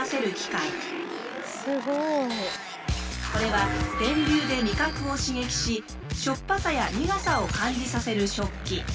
これは電流で味覚を刺激ししょっぱさや苦さを感じさせる食器。